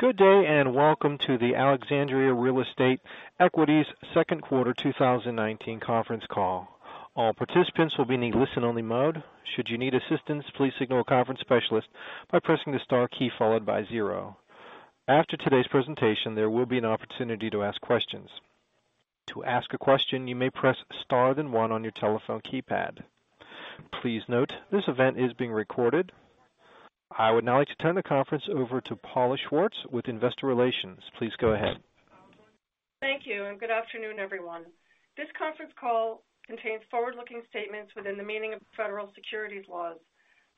Good day. Welcome to the Alexandria Real Estate Equities second quarter 2019 conference call. All participants will be in listen-only mode. Should you need assistance, please signal a conference specialist by pressing the star key, followed by zero. After today's presentation, there will be an opportunity to ask questions. To ask a question, you may press star, then one on your telephone keypad. Please note, this event is being recorded. I would now like to turn the conference over to Paula Schwartz with Investor Relations. Please go ahead. Thank you, good afternoon, everyone. This conference call contains forward-looking statements within the meaning of federal securities laws.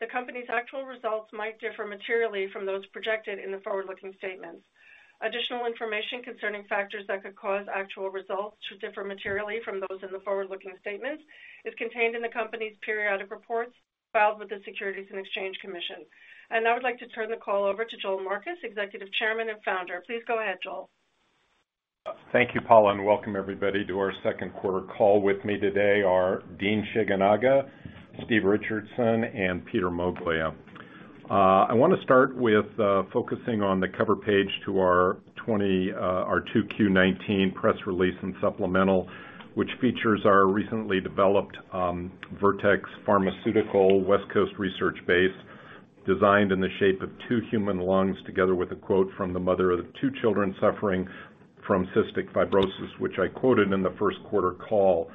The company's actual results might differ materially from those projected in the forward-looking statements. Additional information concerning factors that could cause actual results to differ materially from those in the forward-looking statements is contained in the company's periodic reports filed with the Securities and Exchange Commission. Now I'd like to turn the call over to Joel Marcus, Executive Chairman and Founder. Please go ahead, Joel. Thank you, Paula. Welcome everybody to our second quarter call. With me today are Dean Shigenaga, Steve Richardson, and Peter Moglia. I want to start with focusing on the cover page to our 2Q19 press release and supplemental, which features our recently developed Vertex Pharmaceuticals West Coast research base, designed in the shape of two human lungs, together with a quote from the mother of two children suffering from cystic fibrosis, which I quoted in the first quarter call.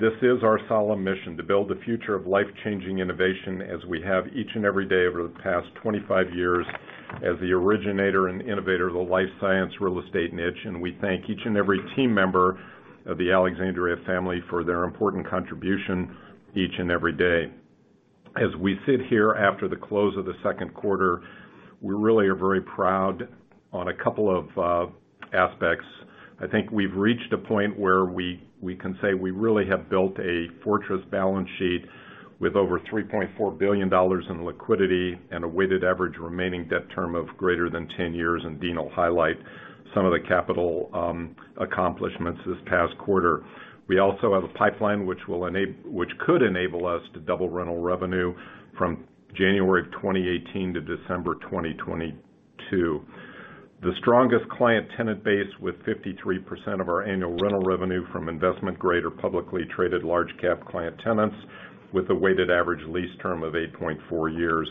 This is our solemn mission, to build the future of life-changing innovation as we have each and every day over the past 25 years as the originator and innovator of the life science real estate niche. We thank each and every team member of the Alexandria family for their important contribution each and every day. As we sit here after the close of the second quarter, we really are very proud on a couple of aspects. I think we've reached a point where we can say we really have built a fortress balance sheet with over $3.4 billion in liquidity and a weighted average remaining debt term of greater than 10 years, and Dean will highlight some of the capital accomplishments this past quarter. We also have a pipeline which could enable us to double rental revenue from January of 2018 to December 2022. The strongest client tenant base with 53% of our annual rental revenue from investment-grade or publicly traded large-cap client tenants with a weighted average lease term of 8.4 years.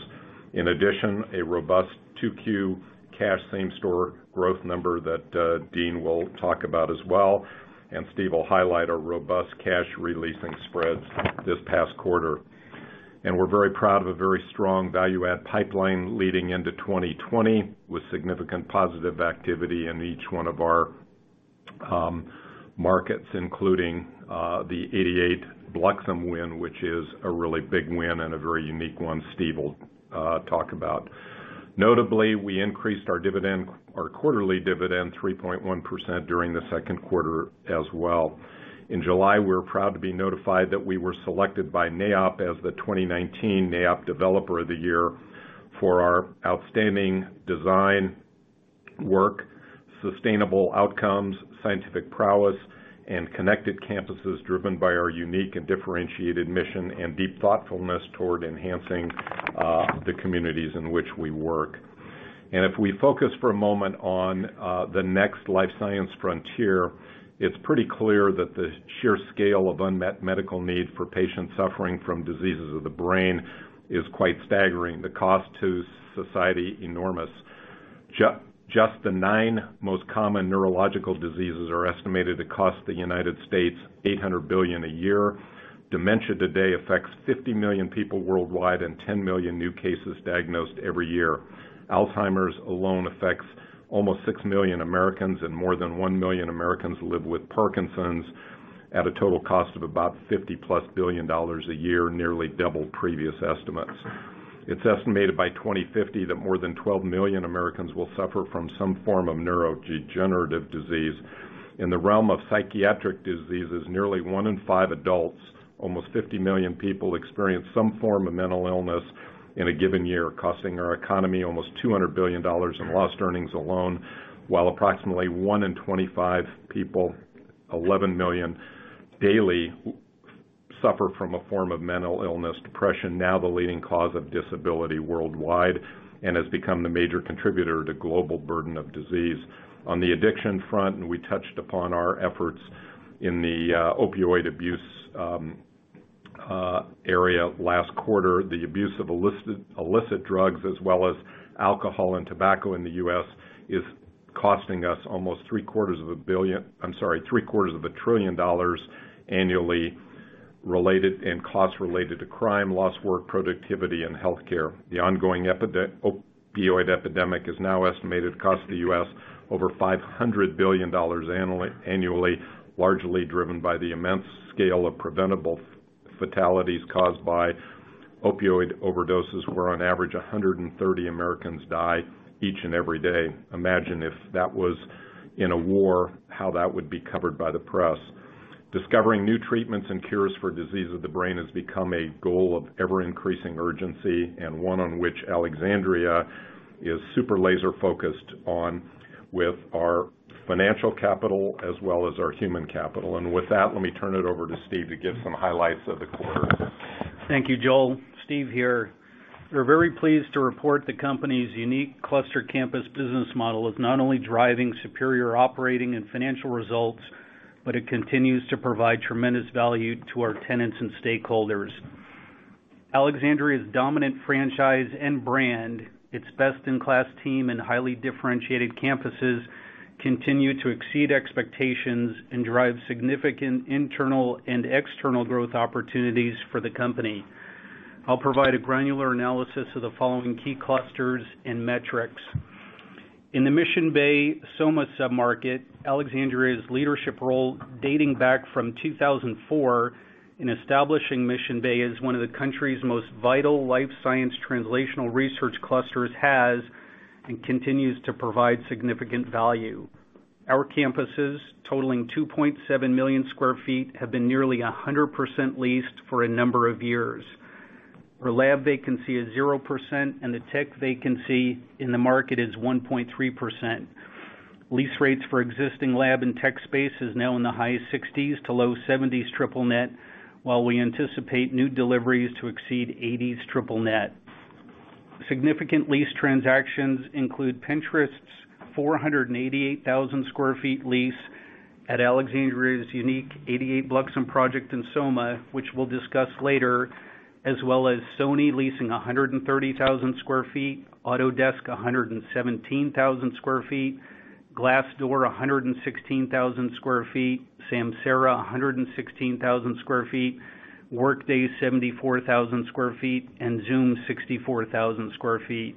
In addition, a robust 2Q cash same store growth number that Dean will talk about as well, and Steve will highlight our robust cash re-leasing spreads this past quarter. We're very proud of a very strong value add pipeline leading into 2020, with significant positive activity in each one of our markets, including the 88 Bluxome win, which is a really big win and a very unique one Steve will talk about. Notably, we increased our quarterly dividend 3.1% during the second quarter as well. In July, we were proud to be notified that we were selected by NAIOP as the 2019 NAIOP Developer of the Year for our outstanding design work, sustainable outcomes, scientific prowess, and connected campuses driven by our unique and differentiated mission and deep thoughtfulness toward enhancing the communities in which we work. If we focus for a moment on the next life science frontier, it's pretty clear that the sheer scale of unmet medical need for patients suffering from diseases of the brain is quite staggering. The cost to society, enormous. Just the nine most common neurological diseases are estimated to cost the United States $800 billion a year. Dementia today affects 50 million people worldwide and 10 million new cases diagnosed every year. Alzheimer's alone affects almost 6 million Americans, and more than 1 million Americans live with Parkinson's, at a total cost of about $50-plus billion a year, nearly double previous estimates. It's estimated by 2050 that more than 12 million Americans will suffer from some form of neurodegenerative disease. In the realm of psychiatric diseases, nearly one in five adults, almost 50 million people, experience some form of mental illness in a given year, costing our economy almost $200 billion in lost earnings alone, while approximately one in 25 people, 11 million daily, suffer from a form of mental illness. Depression, now the leading cause of disability worldwide, and has become the major contributor to global burden of disease. On the addiction front, we touched upon our efforts in the opioid abuse area last quarter, the abuse of illicit drugs as well as alcohol and tobacco in the U.S. is costing us almost three quarters of a trillion dollars annually in costs related to crime, lost work productivity, and healthcare. The ongoing opioid epidemic is now estimated to cost the U.S. over $500 billion annually, largely driven by the immense scale of preventable fatalities caused by opioid overdoses, where on average 130 Americans die each and every day. Imagine if that was in a war, how that would be covered by the press. Discovering new treatments and cures for diseases of the brain has become a goal of ever-increasing urgency, and one on which Alexandria is super laser-focused on with our financial capital as well as our human capital. With that, let me turn it over to Steve to give some highlights of the quarter. Thank you, Joel. Steve here. We're very pleased to report the company's unique cluster campus business model is not only driving superior operating and financial results It continues to provide tremendous value to our tenants and stakeholders. Alexandria's dominant franchise and brand, its best-in-class team and highly differentiated campuses continue to exceed expectations and drive significant internal and external growth opportunities for the company. I'll provide a granular analysis of the following key clusters and metrics. In the Mission Bay SoMa sub-market, Alexandria's leadership role, dating back from 2004 in establishing Mission Bay as one of the country's most vital life science translational research clusters has, and continues to provide significant value. Our campuses, totaling 2.7 million square feet, have been nearly 100% leased for a number of years. Our lab vacancy is 0%, and the tech vacancy in the market is 1.3%. Lease rates for existing lab and tech space is now in the high $60s-$70s triple net, while we anticipate new deliveries to exceed $80s triple net. Significant lease transactions include Pinterest's 488,000 sq ft lease at Alexandria's unique 88 Bluxome project in SoMa, which we'll discuss later, as well as Sony leasing 130,000 sq ft, Autodesk 117,000 sq ft, Glassdoor 116,000 sq ft, Samsara 116,000 sq ft, Workday 74,000 sq ft, and Zoom 64,000 sq ft.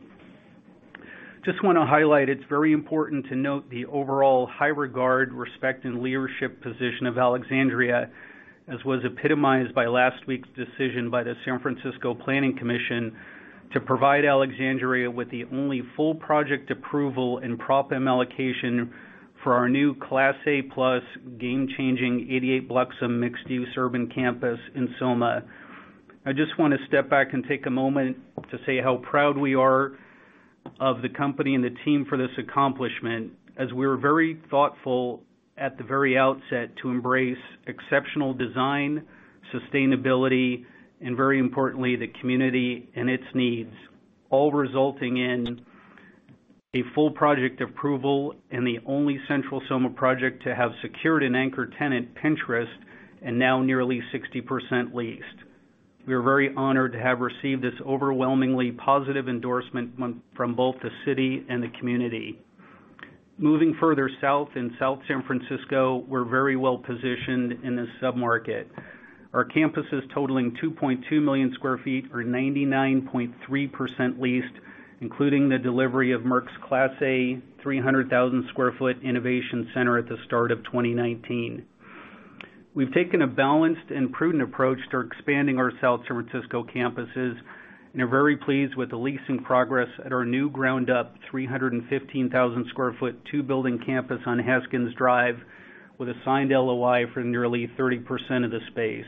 Just want to highlight, it's very important to note the overall high regard, respect, and leadership position of Alexandria, as was epitomized by last week's decision by the San Francisco Planning Commission to provide Alexandria with the only full project approval and pro forma allocation for our new Class A plus game-changing 88 Bluxome mixed-use urban campus in SoMa. I just want to step back and take a moment to say how proud we are of the company and the team for this accomplishment, as we were very thoughtful at the very outset to embrace exceptional design, sustainability, and very importantly, the community and its needs, all resulting in a full project approval and the only central SoMa project to have secured an anchor tenant, Pinterest, and now nearly 60% leased. We are very honored to have received this overwhelmingly positive endorsement from both the city and the community. Moving further south in South San Francisco, we're very well positioned in this sub-market. Our campus is totaling 2.2 million sq ft or 99.3% leased, including the delivery of Merck's Class A 300,000 sq ft Innovation Center at the start of 2019. We've taken a balanced and prudent approach to expanding our South San Francisco campuses, and are very pleased with the leasing progress at our new ground up 315,000 sq ft two-building campus on Haskins Way, with a signed LOI for nearly 30% of the space.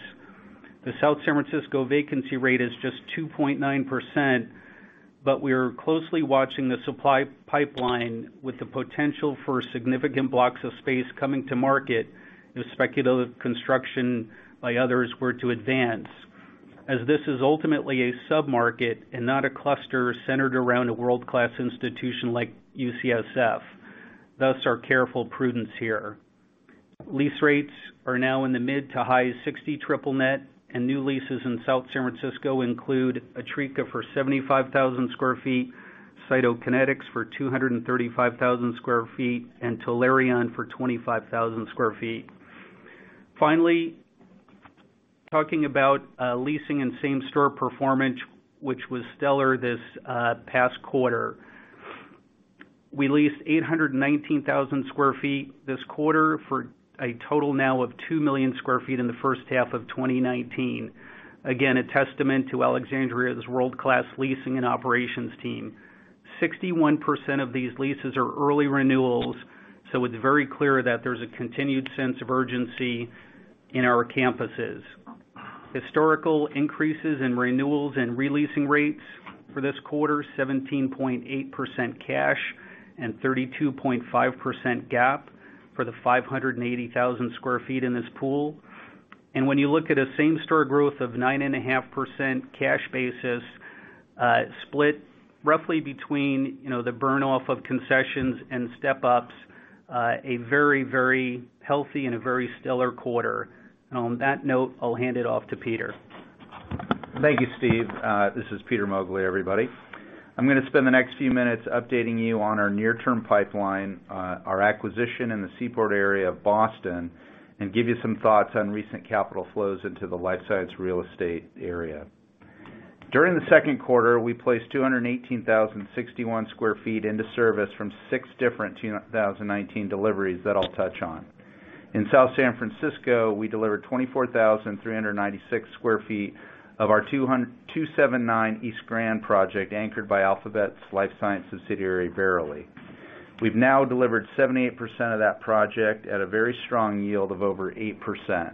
The South San Francisco vacancy rate is just 2.9%, but we are closely watching the supply pipeline with the potential for significant blocks of space coming to market if speculative construction by others were to advance, as this is ultimately a sub-market and not a cluster centered around a world-class institution like UCSF, thus our careful prudence here. Lease rates are now in the mid to high $60 triple net, and new leases in South San Francisco include Atrika for 75,000 sq ft, Cytokinetics for 235,000 sq ft, and Telarian for 25,000 sq ft. Finally, talking about leasing and same-store performance, which was stellar this past quarter. We leased 819,000 sq ft this quarter for a total now of 2 million square feet in the first half of 2019. Again, a testament to Alexandria's world-class leasing and operations team. 61% of these leases are early renewals, so it's very clear that there's a continued sense of urgency in our campuses. Historical increases in renewals and re-leasing rates for this quarter, 17.8% cash and 32.5% GAAP for the 580,000 sq ft in this pool. When you look at a same-store growth of 9.5% cash basis, split roughly between the burn-off of concessions and step-ups, a very healthy and a very stellar quarter. On that note, I'll hand it off to Peter. Thank you, Steve. This is Peter Moglia, everybody. I'm going to spend the next few minutes updating you on our near-term pipeline, our acquisition in the Seaport area of Boston, and give you some thoughts on recent capital flows into the life science real estate area. During the second quarter, we placed 218,061 sq ft into service from six different 2019 deliveries that I'll touch on. In South San Francisco, we delivered 24,396 sq ft of our 279 East Grand Project, anchored by Alphabet's life science subsidiary, Verily. We've now delivered 78% of that project at a very strong yield of over 8%.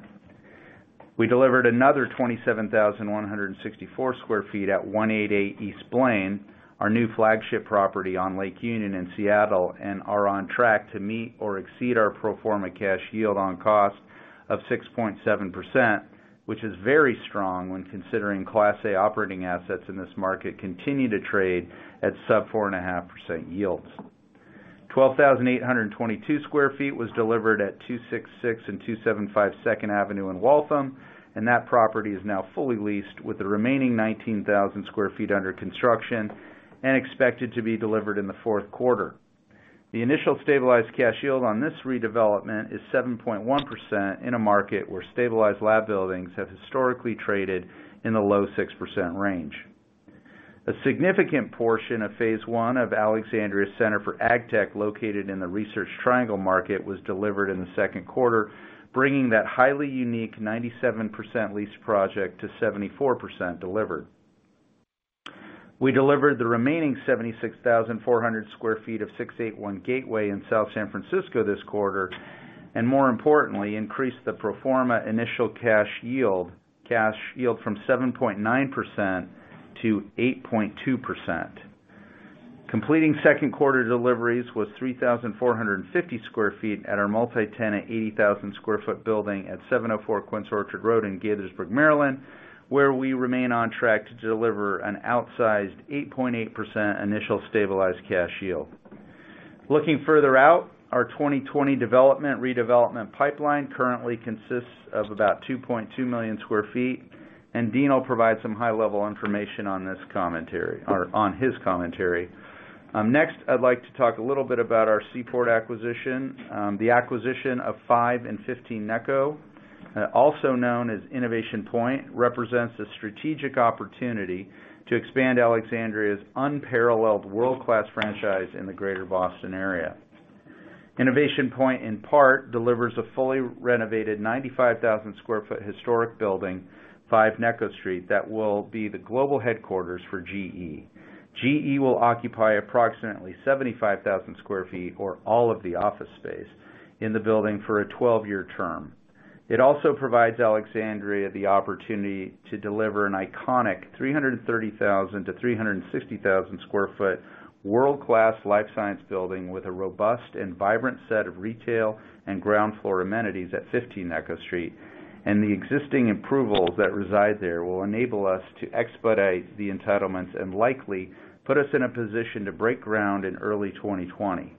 We delivered another 27,164 sq ft at 188 East Blaine, our new flagship property on Lake Union in Seattle, and are on track to meet or exceed our pro forma cash yield on cost of 6.7%, which is very strong when considering Class A operating assets in this market continue to trade at sub 4.5% yields. 12,822 sq ft was delivered at 266 and 275 Second Avenue in Waltham, and that property is now fully leased with the remaining 19,000 sq ft under construction and expected to be delivered in the fourth quarter. The initial stabilized cash yield on this redevelopment is 7.1% in a market where stabilized lab buildings have historically traded in the low 6% range. A significant portion of phase I of Alexandria's Center for AgTech, located in the Research Triangle market, was delivered in the second quarter, bringing that highly unique 97% leased project to 74% delivered. We delivered the remaining 76,400 sq ft of 681 Gateway in South San Francisco this quarter. More importantly, increased the pro forma initial cash yield from 7.9% to 8.2%. Completing second quarter deliveries was 3,450 sq ft at our multi-tenant, 80,000 sq ft building at 704 Quince Orchard Road in Gaithersburg, Maryland, where we remain on track to deliver an outsized 8.8% initial stabilized cash yield. Looking further out, our 2020 development/redevelopment pipeline currently consists of about 2.2 million square feet. Dean will provide some high-level information on his commentary. Next, I'd like to talk a little bit about our Seaport acquisition. The acquisition of 5 and 15 Necco, also known as Innovation Point, represents a strategic opportunity to expand Alexandria's unparalleled world-class franchise in the greater Boston area. Innovation Point, in part, delivers a fully renovated 95,000 sq ft historic building, 5 Necco Street, that will be the global headquarters for GE. GE will occupy approximately 75,000 sq ft, or all of the office space, in the building for a 12-year term. It also provides Alexandria the opportunity to deliver an iconic 330,000 sq ft-360,000 sq ft, world-class life science building with a robust and vibrant set of retail and ground floor amenities at 15 Necco Street. The existing approvals that reside there will enable us to expedite the entitlements and likely put us in a position to break ground in early 2020.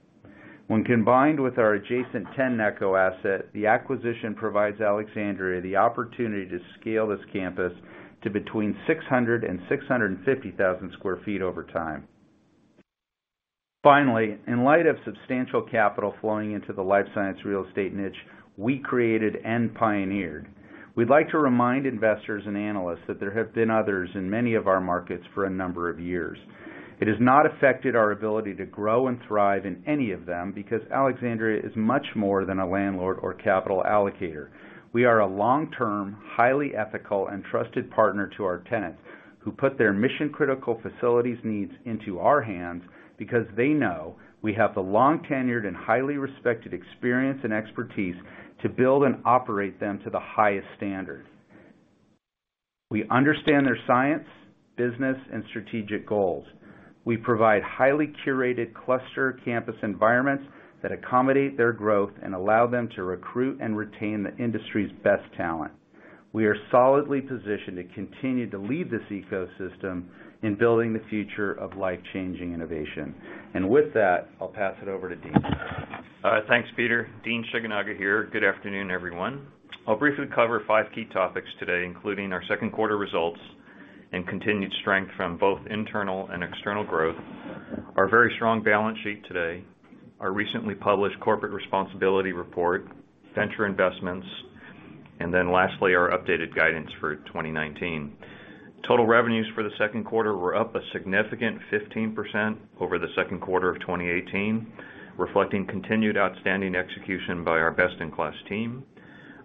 When combined with our adjacent 10 Necco asset, the acquisition provides Alexandria the opportunity to scale this campus to between 600,000 sq ft and 650,000 sq ft over time. Finally, in light of substantial capital flowing into the life science real estate niche we created and pioneered, we'd like to remind investors and analysts that there have been others in many of our markets for a number of years. It has not affected our ability to grow and thrive in any of them, because Alexandria is much more than a landlord or capital allocator. We are a long-term, highly ethical, and trusted partner to our tenants, who put their mission-critical facilities needs into our hands because they know we have the long-tenured and highly respected experience and expertise to build and operate them to the highest standard. We understand their science, business, and strategic goals. We provide highly curated cluster campus environments that accommodate their growth and allow them to recruit and retain the industry's best talent. We are solidly positioned to continue to lead this ecosystem in building the future of life-changing innovation. With that, I'll pass it over to Dean. Thanks, Peter. Dean Shigenaga here. Good afternoon, everyone. I'll briefly cover five key topics today, including our second quarter results and continued strength from both internal and external growth, our very strong balance sheet today, our recently published corporate responsibility report, venture investments, and then lastly, our updated guidance for 2019. Total revenues for the second quarter were up a significant 15% over the second quarter of 2018, reflecting continued outstanding execution by our best-in-class team.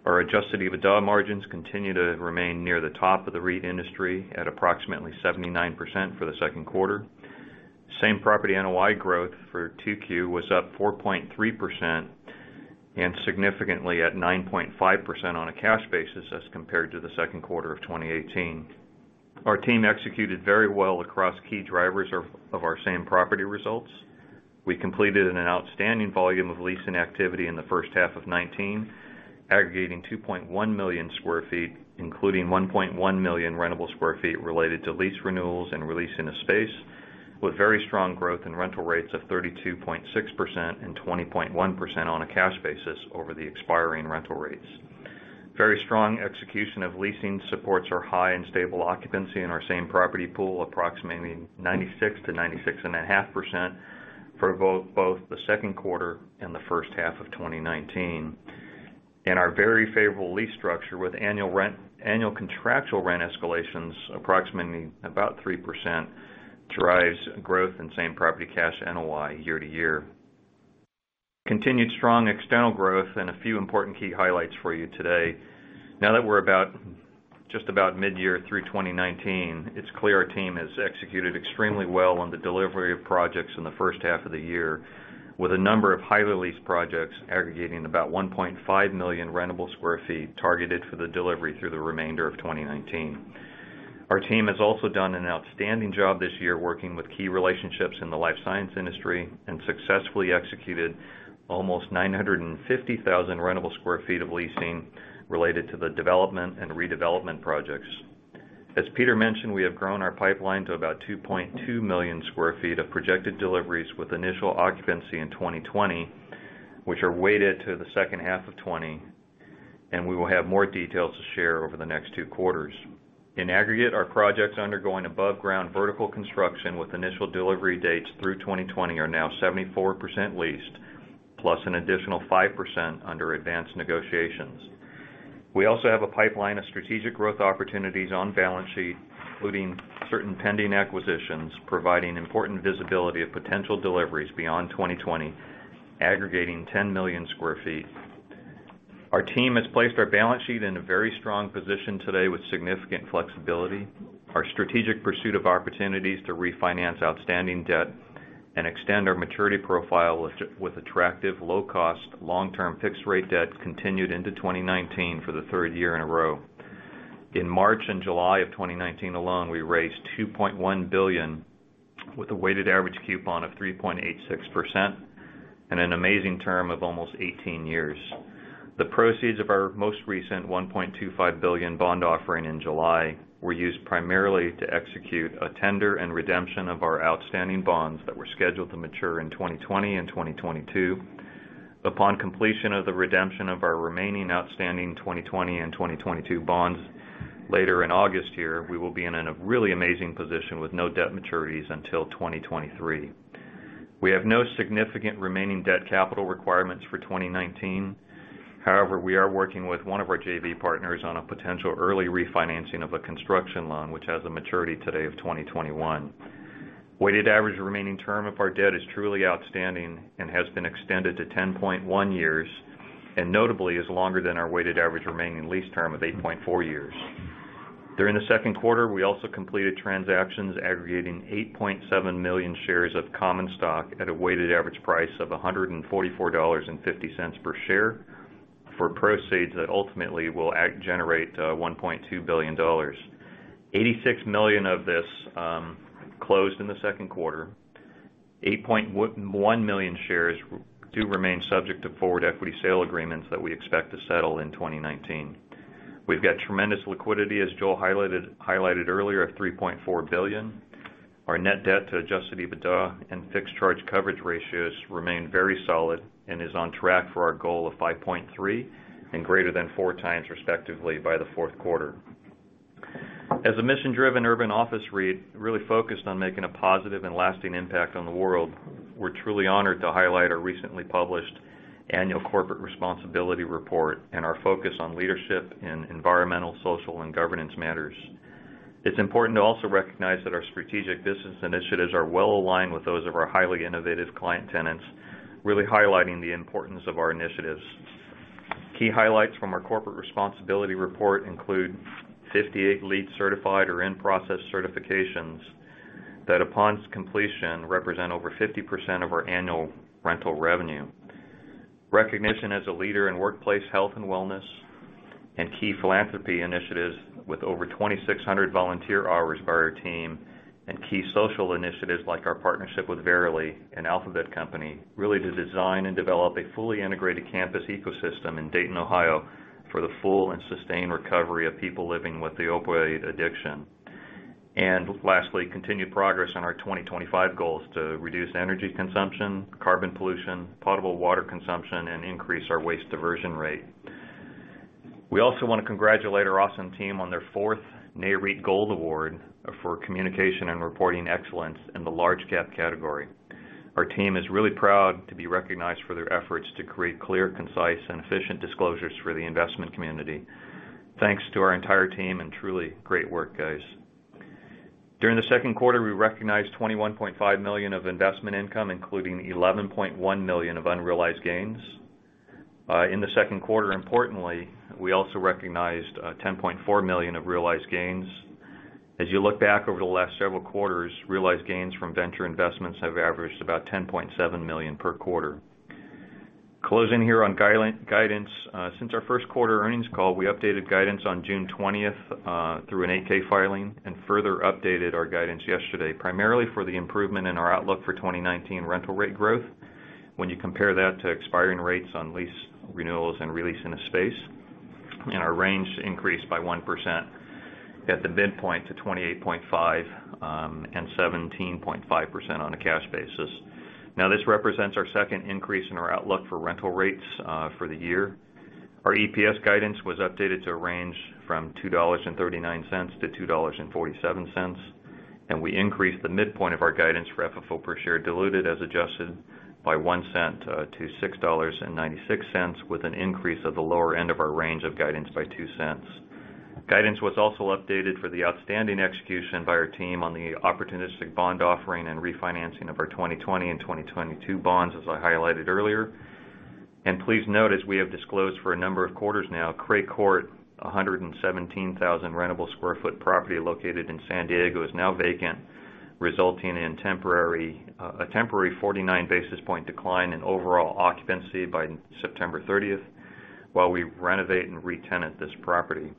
Our adjusted EBITDA margins continue to remain near the top of the REIT industry at approximately 79% for the second quarter. Same property NOI growth for 2Q was up 4.3% and significantly at 9.5% on a cash basis as compared to the second quarter of 2018. Our team executed very well across key drivers of our same property results. We completed an outstanding volume of leasing activity in the first half of 2019, aggregating 2.1 million square feet, including 1.1 million rentable square feet related to lease renewals and releasing of space, with very strong growth in rental rates of 32.6% and 20.1% on a cash basis over the expiring rental rates. Very strong execution of leasing supports our high and stable occupancy in our same property pool, approximately 96%-96.5% for both the second quarter and the first half of 2019. Our very favorable lease structure with annual contractual rent escalations approximately about 3%, drives growth in same property cash NOI year to year. Continued strong external growth and a few important key highlights for you today. Now that we're just about mid-year through 2019, it's clear our team has executed extremely well on the delivery of projects in the first half of the year, with a number of highly leased projects aggregating about 1.5 million rentable square feet targeted for the delivery through the remainder of 2019. Our team has also done an outstanding job this year working with key relationships in the life science industry and successfully executed almost 950,000 rentable square feet of leasing related to the development and redevelopment projects. As Peter mentioned, we have grown our pipeline to about 2.2 million square feet of projected deliveries with initial occupancy in 2020, which are weighted to the second half of 2020. We will have more details to share over the next two quarters. In aggregate, our projects undergoing above-ground vertical construction with initial delivery dates through 2020 are now 74% leased, plus an additional 5% under advanced negotiations. We also have a pipeline of strategic growth opportunities on balance sheet, including certain pending acquisitions, providing important visibility of potential deliveries beyond 2020, aggregating 10 million square feet. Our team has placed our balance sheet in a very strong position today with significant flexibility. Our strategic pursuit of opportunities to refinance outstanding debt and extend our maturity profile with attractive low-cost, long-term fixed-rate debt continued into 2019 for the third year in a row. In March and July of 2019 alone, we raised $2.1 billion with a weighted average coupon of 3.86% and an amazing term of almost 18 years. The proceeds of our most recent $1.25 billion bond offering in July were used primarily to execute a tender and redemption of our outstanding bonds that were scheduled to mature in 2020 and 2022. Upon completion of the redemption of our remaining outstanding 2020 and 2022 bonds later in August this year, we will be in a really amazing position with no debt maturities until 2023. We have no significant remaining debt capital requirements for 2019. However, we are working with one of our JV partners on a potential early refinancing of a construction loan, which has a maturity today of 2021. Weighted average remaining term of our debt is truly outstanding and has been extended to 10.1 years, and notably is longer than our weighted average remaining lease term of 8.4 years. During the second quarter, we also completed transactions aggregating 8.7 million shares of common stock at a weighted average price of $144.50 per share for proceeds that ultimately will generate $1.2 billion. $86 million of this closed in the second quarter. 8.1 million shares do remain subject to forward equity sale agreements that we expect to settle in 2019. We've got tremendous liquidity, as Joel highlighted earlier, of $3.4 billion. Our net debt to adjusted EBITDA and fixed charge coverage ratios remain very solid and is on track for our goal of 5.3x and greater than four times respectively by the fourth quarter. As a mission-driven urban office REIT, really focused on making a positive and lasting impact on the world, we're truly honored to highlight our recently published annual corporate responsibility report and our focus on leadership in environmental, social, and governance matters. It's important to also recognize that our strategic business initiatives are well-aligned with those of our highly innovative client tenants, really highlighting the importance of our initiatives. Key highlights from our corporate responsibility report include 58 LEED certified or in-process certifications that, upon completion, represent over 50% of our annual rental revenue. Recognition as a leader in workplace health and wellness and key philanthropy initiatives with over 2,600 volunteer hours by our team and key social initiatives like our partnership with Verily, an Alphabet company, really to design and develop a fully integrated campus ecosystem in Dayton, Ohio, for the full and sustained recovery of people living with opioid addiction. Lastly, continued progress on our 2025 goals to reduce energy consumption, carbon pollution, potable water consumption, and increase our waste diversion rate. We also want to congratulate our awesome team on their fourth Nareit Gold Award for communication and reporting excellence in the large cap category. Our team is really proud to be recognized for their efforts to create clear, concise, and efficient disclosures for the investment community. Thanks to our entire team, and truly great work, guys. During the second quarter, we recognized $21.5 million of investment income, including $11.1 million of unrealized gains. In the second quarter, importantly, we also recognized $10.4 million of realized gains. As you look back over the last several quarters, realized gains from venture investments have averaged about $10.7 million per quarter. Closing here on guidance. Since our first quarter earnings call, we updated guidance on June 20th through an 8-K filing and further updated our guidance yesterday, primarily for the improvement in our outlook for 2019 rental rate growth. When you compare that to expiring rates on lease renewals and re-leasing of space, our range increased by 1% at the midpoint to 28.5% and 17.5% on a cash basis. This represents our second increase in our outlook for rental rates for the year. Our EPS guidance was updated to range from $2.39-$2.47. We increased the midpoint of our guidance for FFO per share diluted as adjusted by $0.01 to $6.96, with an increase of the lower end of our range of guidance by $0.02. Guidance was also updated for the outstanding execution by our team on the opportunistic bond offering and refinancing of our 2020 and 2022 bonds, as I highlighted earlier. Please note, as we have disclosed for a number of quarters now, Cray Court, 117,000 rentable square foot property located in San Diego, is now vacant, resulting in a temporary 49-basis point decline in overall occupancy by September 30th, while we renovate and retenant this property.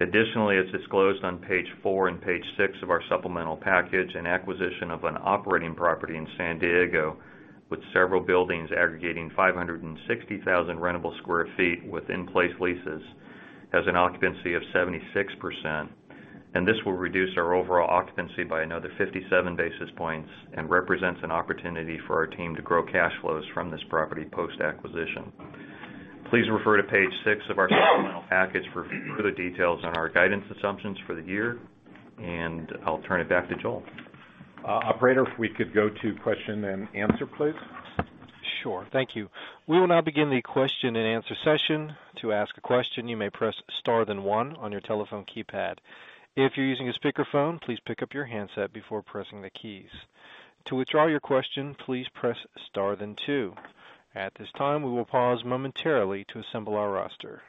Additionally, as disclosed on page four and page six of our supplemental package, an acquisition of an operating property in San Diego with several buildings aggregating 560,000 rentable square feet with in-place leases has an occupancy of 76%. This will reduce our overall occupancy by another 57 basis points and represents an opportunity for our team to grow cash flows from this property post-acquisition. Please refer to page six of our supplemental package for further details on our guidance assumptions for the year. I'll turn it back to Joel. Operator, if we could go to question and answer, please. Sure. Thank you. We will now begin the question and answer session. To ask a question, you may press star then one on your telephone keypad. If you're using a speakerphone, please pick up your handset before pressing the keys. To withdraw your question, please press star then two. We will pause momentarily to assemble our roster.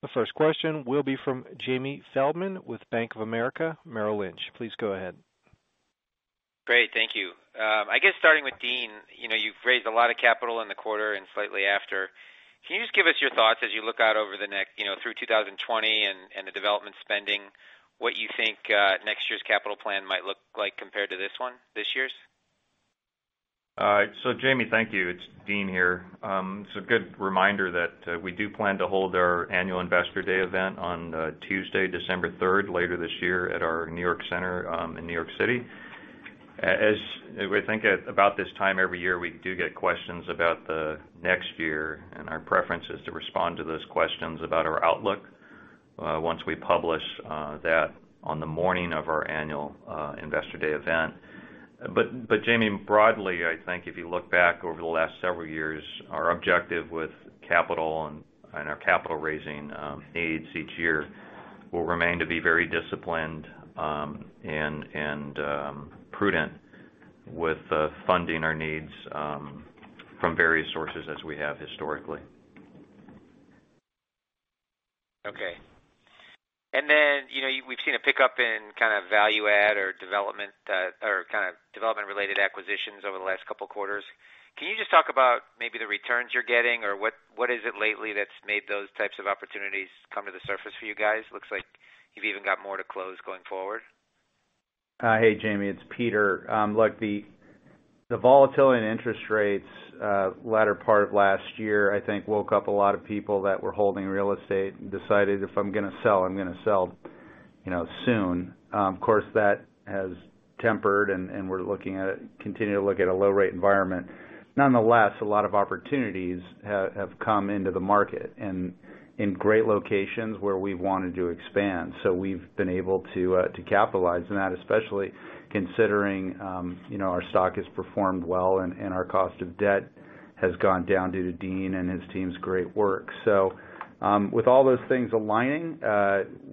The first question will be from Jamie Feldman with Bank of America Merrill Lynch. Please go ahead. Great. Thank you. I guess starting with Dean, you've raised a lot of capital in the quarter and slightly after. Can you just give us your thoughts as you look out through 2020 and the development spending, what you think, next year's capital plan might look like compared to this one, this year's? Jamie, thank you. It's Dean here. It's a good reminder that we do plan to hold our annual investor day event on Tuesday, December 3rd, later this year at our New York center, in New York City. We think about this time every year, we do get questions about the next year, our preference is to respond to those questions about our outlook, once we publish that on the morning of our annual investor day event. Jamie, broadly, I think if you look back over the last several years, our objective with capital and our capital-raising needs each year will remain to be very disciplined, and prudent with funding our needs from various sources as we have historically. Okay. We've seen a pickup in kind of value add or development or kind of development-related acquisitions over the last couple of quarters. Can you just talk about maybe the returns you're getting or what is it lately that's made those types of opportunities come to the surface for you guys? Looks like you've even got more to close going forward. Hey, Jamie, it's Peter. The volatility in interest rates, latter part of last year, I think woke up a lot of people that were holding real estate and decided, "If I'm going to sell, I'm going to sell soon." That has tempered, and we're looking at continuing to look at a low rate environment. A lot of opportunities have come into the market and in great locations where we wanted to expand. We've been able to capitalize on that, especially considering our stock has performed well and our cost of debt has gone down due to Dean and his team's great work. With all those things aligning,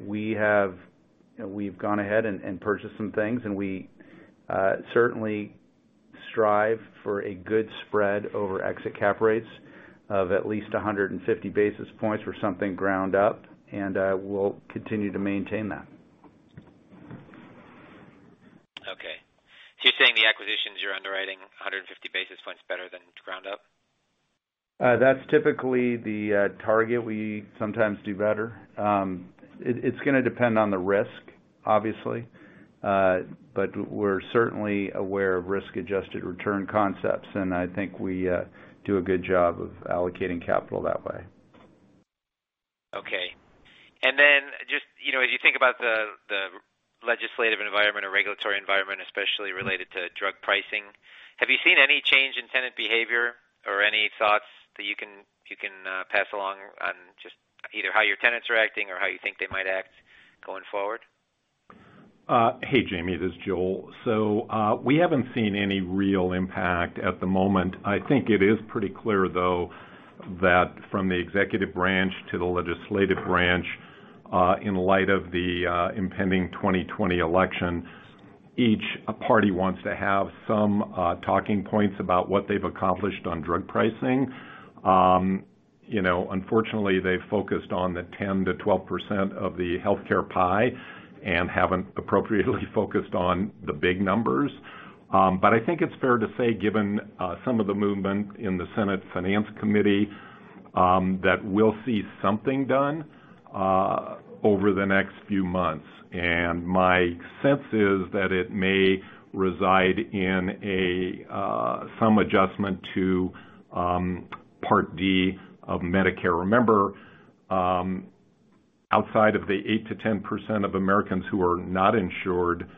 we've gone ahead and purchased some things, and we certainly strive for a good spread over exit cap rates of at least 150 basis points for something ground up, and we'll continue to maintain that. Okay. You're saying the acquisitions, you're underwriting 150 basis points better than ground up? That's typically the target. We sometimes do better. It's gonna depend on the risk, obviously. We're certainly aware of risk-adjusted return concepts, and I think we do a good job of allocating capital that way. Okay. Just as you think about the legislative environment or regulatory environment, especially related to drug pricing, have you seen any change in tenant behavior or any thoughts that you can pass along on just either how your tenants are acting or how you think they might act going forward? Hey, Jamie, this is Joel. We haven't seen any real impact at the moment. I think it is pretty clear, though, that from the executive branch to the legislative branch, in light of the impending 2020 election, each party wants to have some talking points about what they've accomplished on drug pricing. Unfortunately, they've focused on the 10%-12% of the healthcare pie and haven't appropriately focused on the big numbers. I think it's fair to say, given some of the movement in the Senate Finance Committee, that we'll see something done over the next few months. My sense is that it may reside in some adjustment to Part D of Medicare. Remember, outside of the 8%-10% of Americans who are not insured,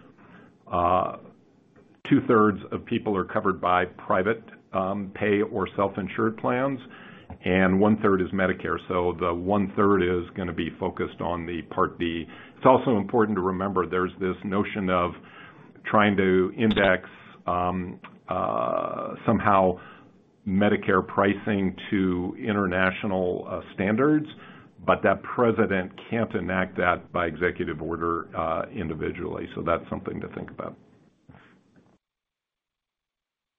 two-thirds of people are covered by private pay or self-insured plans, and one-third is Medicare. The one-third is gonna be focused on the Part D. It's also important to remember there's this notion of trying to index somehow Medicare pricing to international standards, but that president can't enact that by executive order individually. That's something to think about.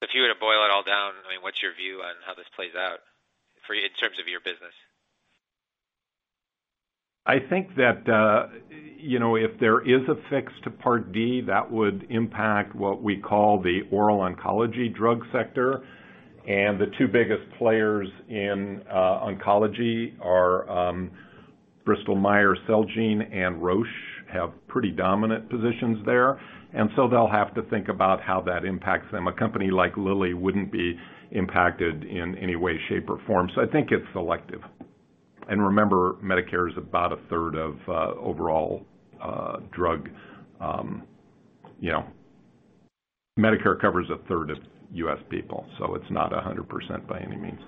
If you were to boil it all down, what's your view on how this plays out in terms of your business? I think that if there is a fix to Part D, that would impact what we call the oral oncology drug sector. The two biggest players in oncology are Bristol-Myers Squibb, Celgene, and Roche have pretty dominant positions there. They'll have to think about how that impacts them. A company like Lilly wouldn't be impacted in any way, shape, or form. I think it's selective. Remember, Medicare is about a third of overall Medicare covers a third of U.S. people, so it's not 100% by any means.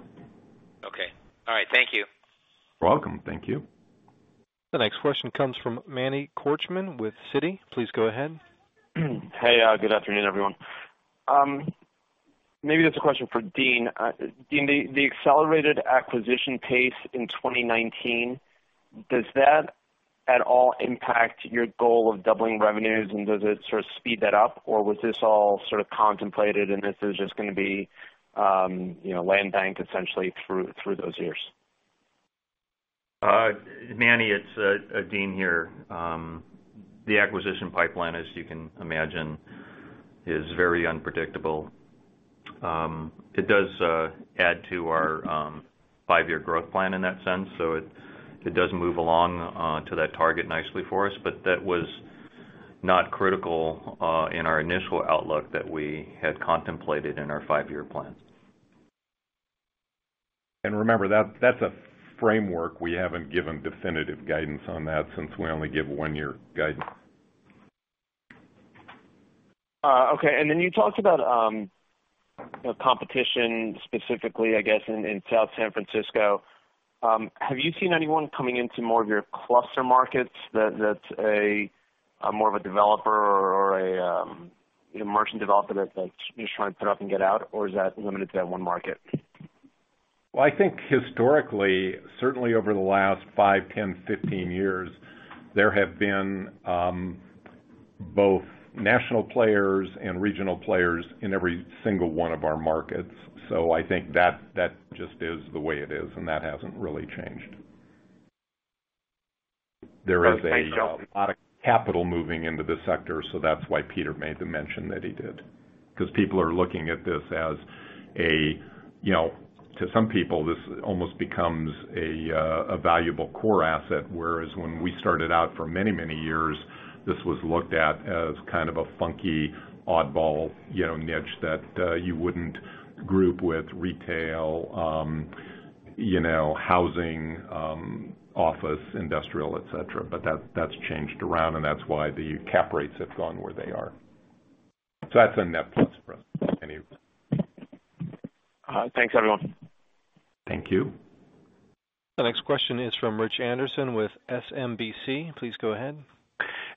Okay. All right. Thank you. You're welcome. Thank you. The next question comes from Manny Korchman with Citi. Please go ahead. Hey, good afternoon, everyone. Maybe this is a question for Dean. Dean, the accelerated acquisition pace in 2019, does that at all impact your goal of doubling revenues and does it sort of speed that up, or was this all sort of contemplated and this is just going to be land bank essentially through those years? Manny, it's Dean here. The acquisition pipeline, as you can imagine, is very unpredictable. It does add to our five-year growth plan in that sense. It does move along to that target nicely for us, but that was not critical in our initial outlook that we had contemplated in our five-year plan. Remember, that's a framework. We haven't given definitive guidance on that since we only give one-year guidance. Okay. You talked about competition specifically, I guess, in South San Francisco. Have you seen anyone coming into more of your cluster markets that's a more of a developer or a merchant developer that's just trying to put up and get out, or is that limited to that one market? Well, I think historically, certainly over the last five, 10, 15 years, there have been both national players and regional players in every single one of our markets. I think that just is the way it is, and that hasn't really changed. There is a lot of capital moving into the sector, that's why Peter made the mention that he did. To some people, this almost becomes a valuable core asset, whereas when we started out for many, many years, this was looked at as kind of a funky, oddball niche that you wouldn't group with retail, housing, office, industrial, et cetera. That's changed around, and that's why the cap rates have gone where they are. That's a net plus for us, anyways. Thanks, everyone. Thank you. The next question is from Rich Anderson with SMBC. Please go ahead.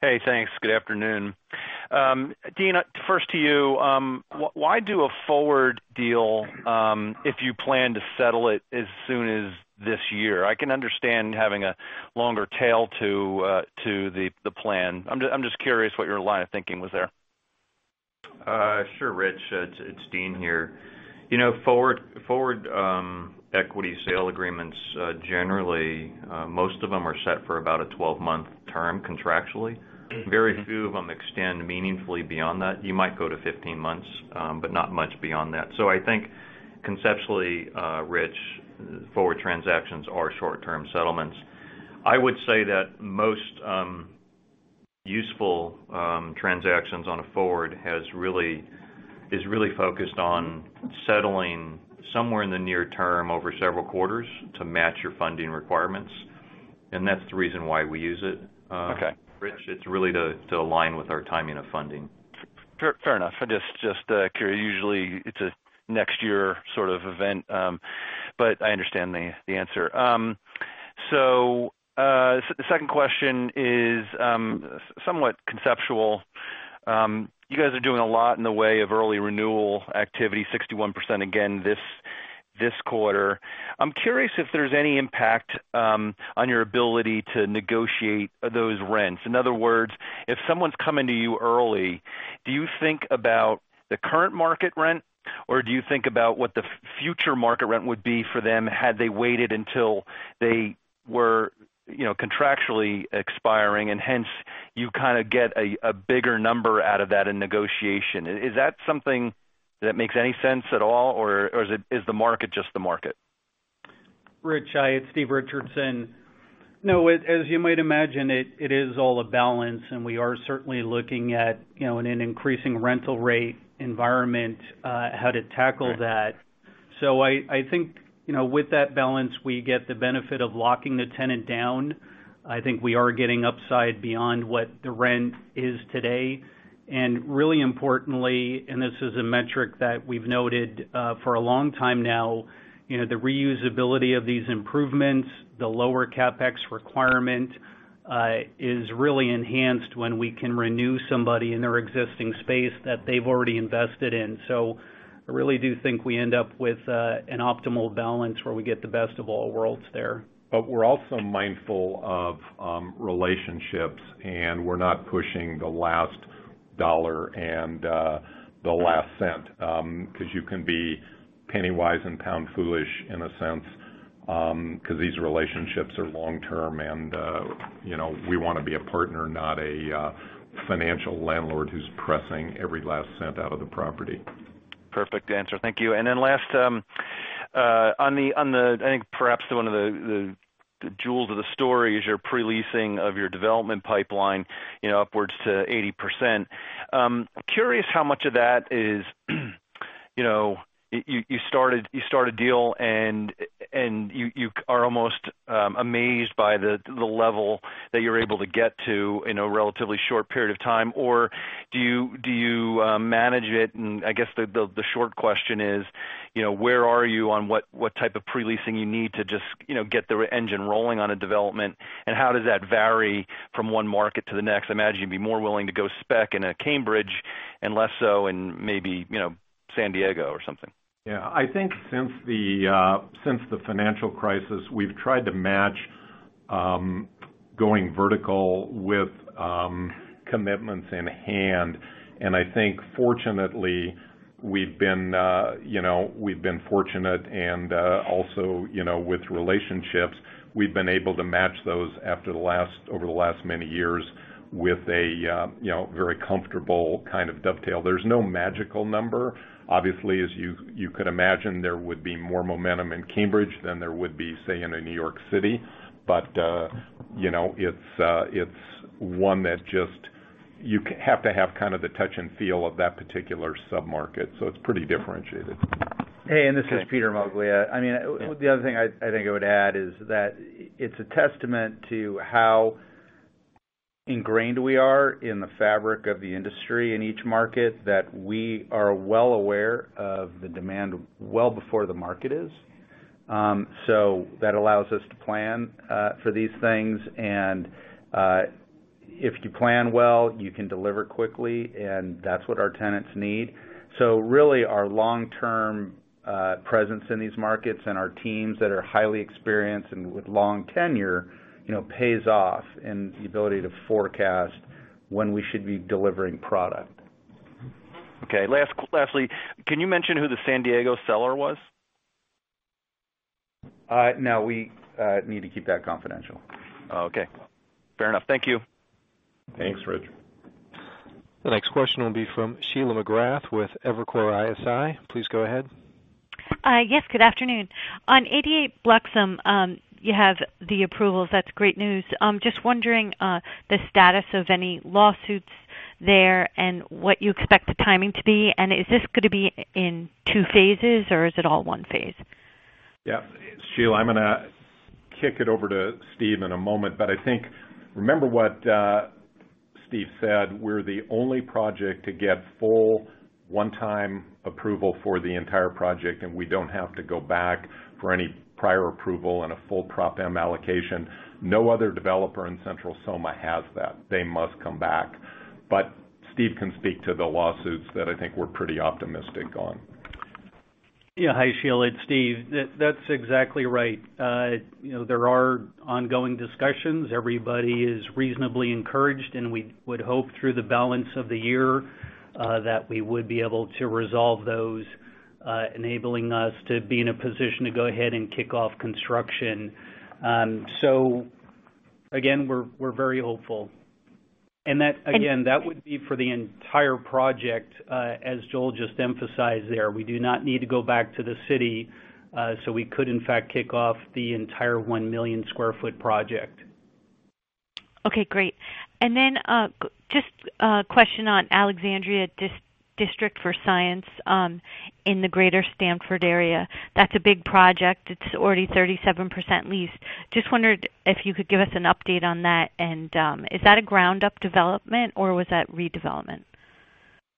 Hey, thanks. Good afternoon. Dean, first to you. Why do a forward deal if you plan to settle it as soon as this year? I can understand having a longer tail to the plan. I'm just curious what your line of thinking was there. Sure, Rich. It is Dean here. Forward equity sale agreements, generally, most of them are set for about a 12-month term contractually. Very few of them extend meaningfully beyond that. You might go to 15 months, but not much beyond that. I think conceptually, Rich, forward transactions are short-term settlements. I would say that most useful transactions on a forward is really focused on settling somewhere in the near term over several quarters to match your funding requirements, and that is the reason why we use it. Okay Rich. It's really to align with our timing of funding. Fair enough. Just curious. Usually, it's a next year sort of event. I understand the answer. The second question is somewhat conceptual. You guys are doing a lot in the way of early renewal activity, 61% again this quarter. I'm curious if there's any impact on your ability to negotiate those rents. In other words, if someone's coming to you early, do you think about the current market rent, or do you think about what the future market rent would be for them had they waited until they were contractually expiring and hence you kind of get a bigger number out of that in negotiation? Is that something that makes any sense at all, or is the market just the market? Rich, it's Steve Richardson. No, as you might imagine, it is all a balance, and we are certainly looking at, in an increasing rental rate environment, how to tackle that. Right. I think, with that balance, we get the benefit of locking the tenant down. I think we are getting upside beyond what the rent is today. Really importantly, this is a metric that we've noted for a long time now, the reusability of these improvements, the lower CapEx requirement, is really enhanced when we can renew somebody in their existing space that they've already invested in. I really do think we end up with an optimal balance where we get the best of all worlds there. We're also mindful of relationships, and we're not pushing the last. Dollar and the last cent, because you can be penny-wise and pound-foolish in a sense, because these relationships are long-term and we want to be a partner, not a financial landlord who's pressing every last cent out of the property. Perfect answer. Thank you. Last, I think perhaps one of the jewels of the story is your pre-leasing of your development pipeline, upwards to 80%. Curious how much of that is, you start a deal and you are almost amazed by the level that you're able to get to in a relatively short period of time or do you manage it? I guess the short question is, where are you on what type of pre-leasing you need to just get the engine rolling on a development, and how does that vary from one market to the next? I imagine you'd be more willing to go spec in a Cambridge and less so in maybe San Diego or something. Yeah. I think since the financial crisis, we've tried to match going vertical with commitments in hand. I think fortunately, we've been fortunate and also, with relationships, we've been able to match those over the last many years with a very comfortable kind of dovetail. There's no magical number. Obviously, as you could imagine, there would be more momentum in Cambridge than there would be, say, in a New York City. It's one that just, you have to have kind of the touch and feel of that particular sub-market. It's pretty differentiated. Thanks. Hey, this is Peter Moglia. The other thing I think I would add is that it's a testament to how ingrained we are in the fabric of the industry in each market, that we are well aware of the demand well before the market is. That allows us to plan for these things, and if you plan well, you can deliver quickly, and that's what our tenants need. Really, our long-term presence in these markets and our teams that are highly experienced and with long tenure, pays off in the ability to forecast when we should be delivering product. Okay. Lastly, can you mention who the San Diego seller was? No. We need to keep that confidential. Oh, okay. Fair enough. Thank you. Thanks, Rich. The next question will be from Sheila McGrath with Evercore ISI. Please go ahead. Yes, good afternoon. On 88 Bluxome, you have the approvals. That's great news. Just wondering the status of any lawsuits there and what you expect the timing to be, and is this going to be in two phases, or is it all one phase? Yeah. Sheila, I'm going to kick it over to Steve in a moment. I think, remember what Steve said, we're the only project to get full one-time approval for the entire project, and we don't have to go back for any prior approval and a full Prop M allocation. No other developer in Central SoMa has that. They must come back. Steve can speak to the lawsuits that I think we're pretty optimistic on. Yeah. Hi, Sheila, it's Steve. That's exactly right. There are ongoing discussions. Everybody is reasonably encouraged, and we would hope through the balance of the year, that we would be able to resolve those, enabling us to be in a position to go ahead and kick off construction. Again, we're very hopeful. Again, that would be for the entire project, as Joel just emphasized there. We do not need to go back to the city. We could in fact kick off the entire 1 million-square-foot project. Okay, great. Just a question on Alexandria District for Science in the Greater Stanford area. That's a big project. It's already 37% leased. Just wondered if you could give us an update on that, and is that a ground-up development, or was that redevelopment?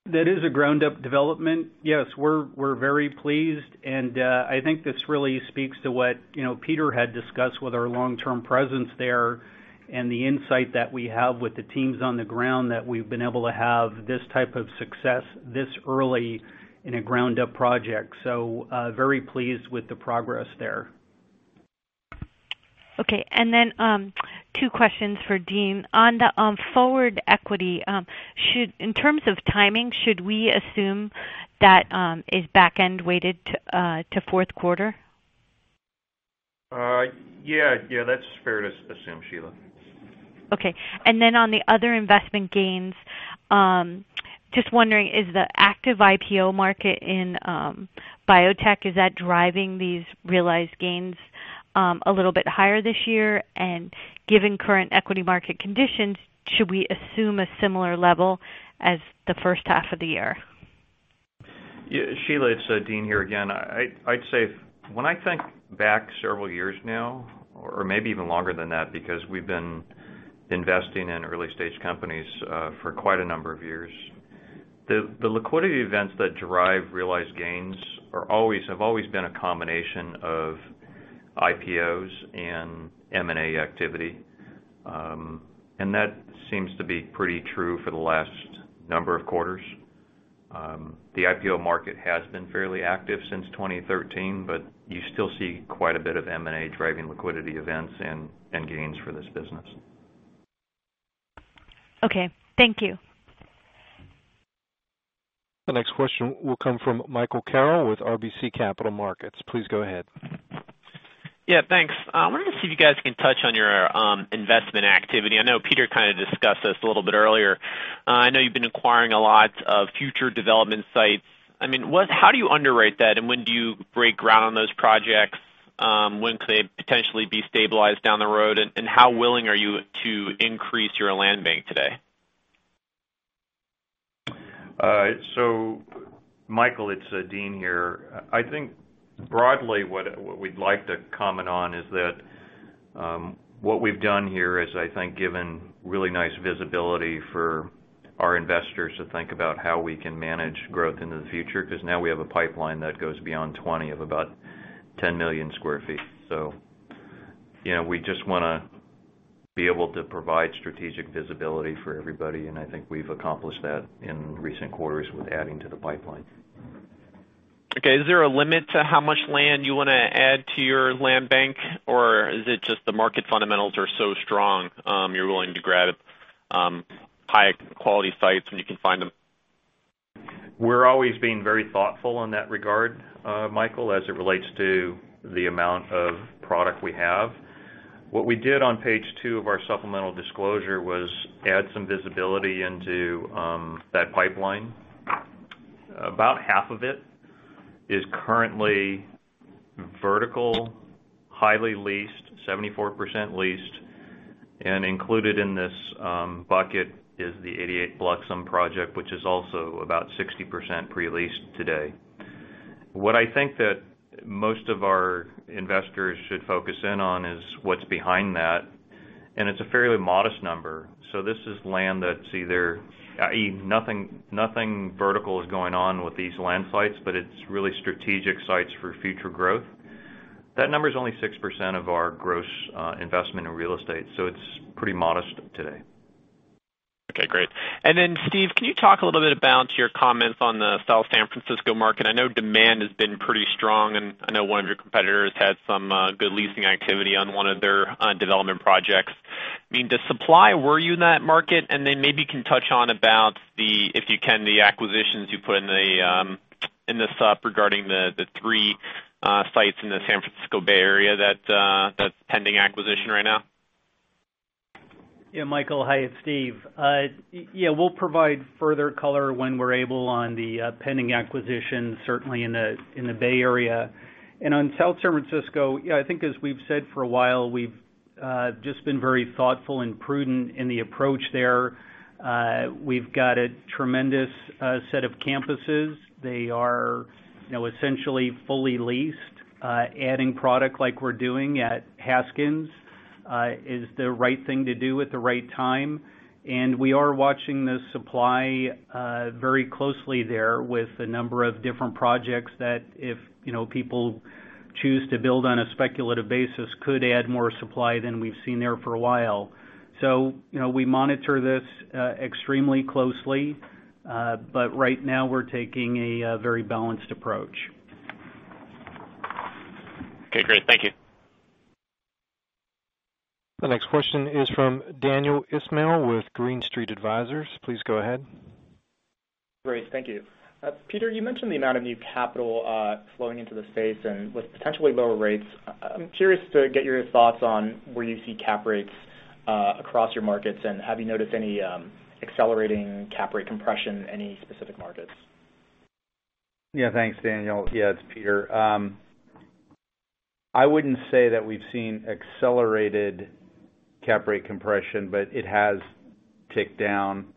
That is a ground-up development. Yes, we're very pleased, and I think this really speaks to what Peter had discussed with our long-term presence there and the insight that we have with the teams on the ground, that we've been able to have this type of success this early in a ground-up project. Very pleased with the progress there. Okay. Two questions for Dean. On the forward equity, in terms of timing, should we assume that is back-end weighted to fourth quarter? Yeah. That's fair to assume, Sheila. Okay. On the other investment gains, just wondering, is the active IPO market in biotech, is that driving these realized gains a little bit higher this year? Given current equity market conditions, should we assume a similar level as the first half of the year? Sheila, it's Dean here again. I'd say, when I think back several years now, or maybe even longer than that, because we've been investing in early-stage companies for quite a number of years. The liquidity events that derive realized gains have always been a combination of IPOs and M&A activity. That seems to be pretty true for the last number of quarters. The IPO market has been fairly active since 2013, but you still see quite a bit of M&A driving liquidity events and gains for this business. Okay. Thank you. The next question will come from Michael Carroll with RBC Capital Markets. Please go ahead. Yeah, thanks. I wanted to see if you guys can touch on your investment activity. I know Peter kind of discussed this a little bit earlier. I know you've been acquiring a lot of future development sites. How do you underwrite that, and when do you break ground on those projects? When could they potentially be stabilized down the road, and how willing are you to increase your land bank today? Michael, it's Dean here. I think broadly what we'd like to comment on is that what we've done here is, I think, given really nice visibility for our investors to think about how we can manage growth into the future, because now we have a pipeline that goes beyond 20 of about 10 million square feet. We just want to be able to provide strategic visibility for everybody, and I think we've accomplished that in recent quarters with adding to the pipeline. Is there a limit to how much land you want to add to your land bank, or is it just the market fundamentals are so strong you're willing to grab high-quality sites when you can find them? We're always being very thoughtful in that regard, Michael, as it relates to the amount of product we have. What we did on page two of our supplemental disclosure was add some visibility into that pipeline. About half of it is currently vertical, highly leased, 74% leased, and included in this bucket is the 88 Bluxome project, which is also about 60% pre-leased today. What I think that most of our investors should focus in on is what's behind that, and it's a fairly modest number. This is land that's Nothing vertical is going on with these land sites, but it's really strategic sites for future growth. That number is only 6% of our gross investment in real estate, so it's pretty modest today. Okay, great. Steve, can you talk a little bit about your comments on the South San Francisco market? I know demand has been pretty strong. I know one of your competitors had some good leasing activity on one of their development projects. Does supply worry you in that market? Maybe you can touch on about the, if you can, the acquisitions you put in the sup regarding the three sites in the San Francisco Bay Area that's pending acquisition right now. Michael. Hi, it's Steve. We'll provide further color when we're able on the pending acquisition, certainly in the Bay Area. On South San Francisco, I think as we've said for a while, we've just been very thoughtful and prudent in the approach there. We've got a tremendous set of campuses. They are essentially fully leased. Adding product like we're doing at Haskins, is the right thing to do at the right time. We are watching the supply very closely there with a number of different projects that if people choose to build on a speculative basis, could add more supply than we've seen there for a while. We monitor this extremely closely. Right now we're taking a very balanced approach. Okay, great. Thank you. The next question is from Daniel Ismail with Green Street Advisors. Please go ahead. Great. Thank you. Peter, you mentioned the amount of new capital flowing into the space and with potentially lower rates. I'm curious to get your thoughts on where you see cap rates across your markets, and have you noticed any accelerating cap rate compression in any specific markets? Yeah, thanks, Daniel. It's Peter. I wouldn't say that we've seen accelerated cap rate compression, but it has ticked down.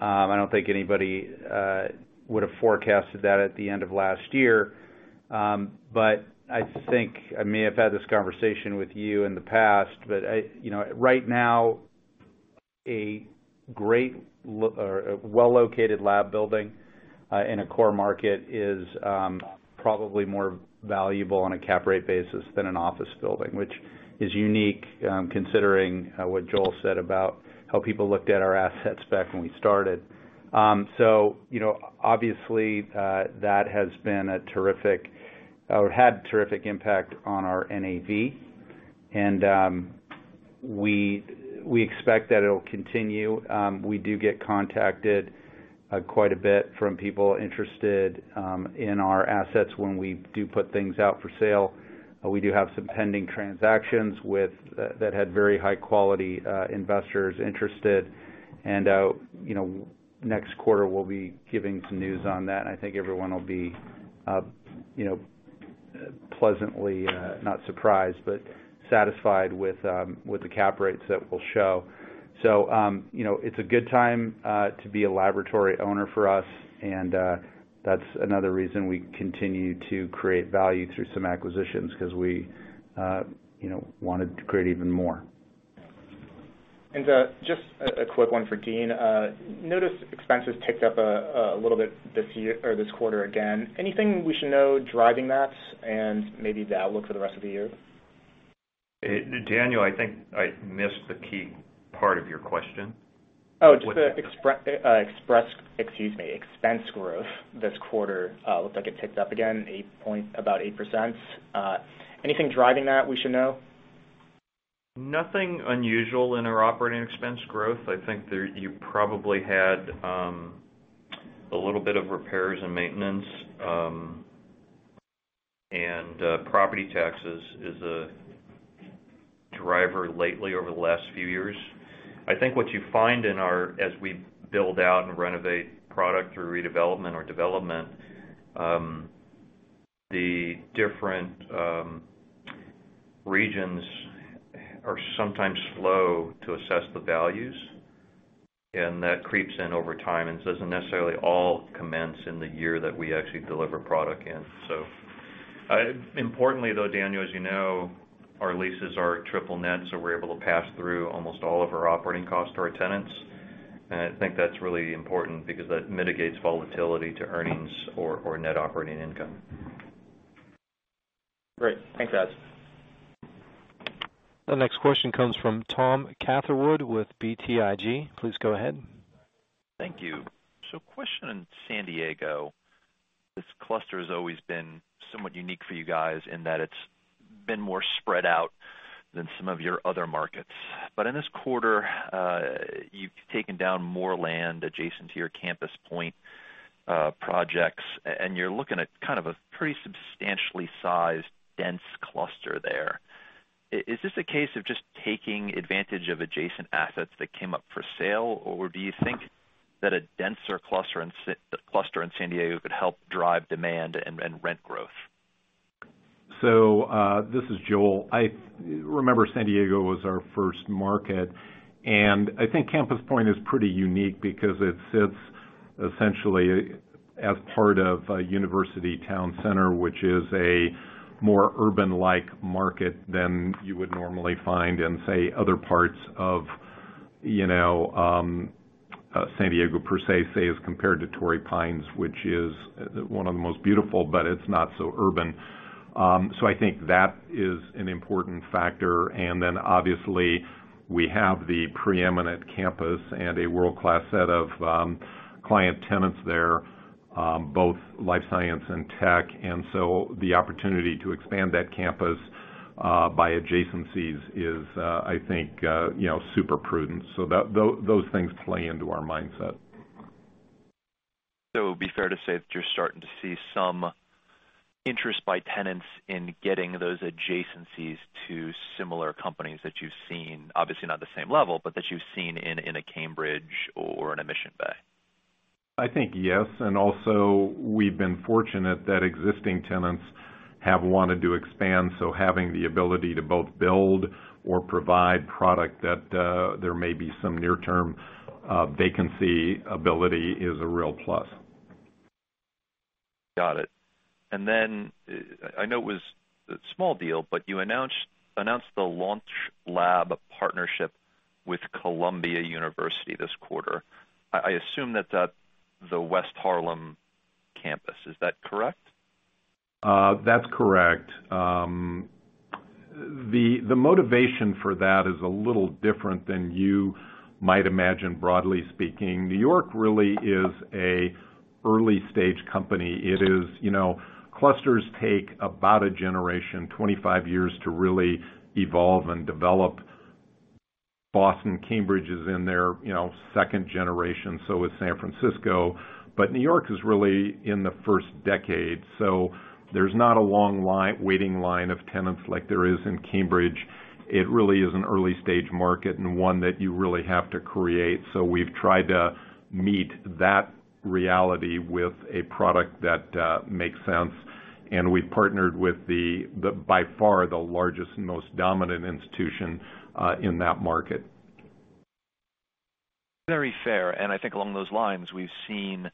I don't think anybody would've forecasted that at the end of last year. I think, I may have had this conversation with you in the past, but right now, a well-located lab building in a core market is probably more valuable on a cap rate basis than an office building, which is unique, considering what Joel said about how people looked at our assets back when we started. Obviously, that had terrific impact on our NAV. We expect that it'll continue. We do get contacted quite a bit from people interested in our assets when we do put things out for sale. We do have some pending transactions that had very high-quality investors interested. Next quarter, we'll be giving some news on that, and I think everyone will be pleasantly, not surprised, but satisfied with the cap rates that we'll show. It's a good time to be a laboratory owner for us. That's another reason we continue to create value through some acquisitions, because we wanted to create even more. Just a quick one for Dean. Noticed expenses ticked up a little bit this quarter again. Anything we should know driving that, and maybe the outlook for the rest of the year? Daniel, I think I missed the key part of your question. Oh, just the expense growth this quarter looked like it ticked up again about 8%. Anything driving that we should know? Nothing unusual in our operating expense growth. I think you probably had a little bit of repairs and maintenance. Property taxes is a driver lately over the last few years. I think what you find as we build out and renovate product through redevelopment or development, the different regions are sometimes slow to assess the values, and that creeps in over time and doesn't necessarily all commence in the year that we actually deliver product in. Importantly though, Daniel, as you know, our leases are triple net. We're able to pass through almost all of our operating costs to our tenants. I think that's really important because that mitigates volatility to earnings or net operating income. Great. Thanks guys. The next question comes from Tom Catherwood with BTIG. Please go ahead. Thank you. Question on San Diego. This cluster has always been somewhat unique for you guys in that it's been more spread out than some of your other markets. In this quarter, you've taken down more land adjacent to your Campus Point projects, and you're looking at kind of a pretty substantially sized, dense cluster there. Is this a case of just taking advantage of adjacent assets that came up for sale, or do you think that a denser cluster in San Diego could help drive demand and rent growth? This is Joel. Remember San Diego was our first market. I think Campus Point is pretty unique because it sits essentially as part of a university town center, which is a more urban-like market than you would normally find in, say, other parts of San Diego, per se, say, as compared to Torrey Pines, which is one of the most beautiful, but it's not so urban. I think that is an important factor. Obviously, we have the preeminent campus and a world-class set of client tenants there, both life science and tech. The opportunity to expand that campus by adjacencies is, I think, super prudent. Those things play into our mindset. It would be fair to say that you're starting to see some interest by tenants in getting those adjacencies to similar companies that you've seen, obviously not the same level, but that you've seen in a Cambridge or in a Mission Bay. I think, yes, and also, we've been fortunate that existing tenants have wanted to expand. Having the ability to both build or provide product that there may be some near-term vacancy ability is a real plus. Got it. I know it was a small deal, but you announced the Alexandria LaunchLabs partnership with Columbia University this quarter. I assume that that's the West Harlem Campus. Is that correct? That's correct. The motivation for that is a little different than you might imagine broadly speaking. New York really is an early-stage company. Clusters take about a generation, 25 years to really evolve and develop. Boston, Cambridge is in their second generation. So is San Francisco. New York is really in the first decade. There's not a long waiting line of tenants like there is in Cambridge. It really is an early-stage market and one that you really have to create. We've tried to meet that reality with a product that makes sense, and we've partnered with by far the largest, most dominant institution in that market. I think along those lines, we've seen